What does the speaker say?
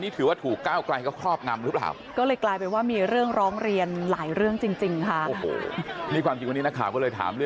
ไปดูบรรยากาศในพักก่อนไหม